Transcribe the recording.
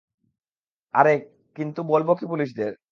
আরে, কিন্তু বলবো কী পুলিশদের?